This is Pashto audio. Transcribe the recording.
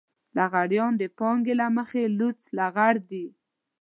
لغړيان د پانګې له مخې لوڅ لغړ دي.